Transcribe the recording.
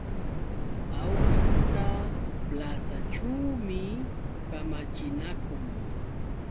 Awkikuna plasaćhuumi kamachinakun.